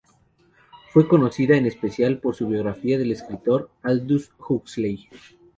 Fue conocida en especial por su biografía del escritor, Aldous Huxley.